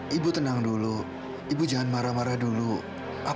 gimana ibu nggak marah coba